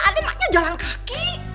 aden maknya jalan kaki